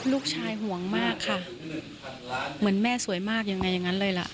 ลูกชายห่วงมากค่ะเหมือนแม่สวยมากอย่างนั้นเลยล่ะ